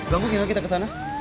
gak mungkin kita kesana